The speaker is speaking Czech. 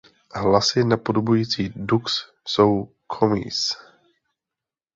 Hlasy napodobující dux jsou "comes".